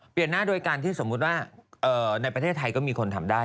เปลี่ยนหน้าโดยการที่สมมุติว่าในประเทศไทยก็มีคนทำได้